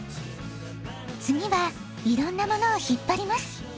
つぎはいろんなものをひっぱります。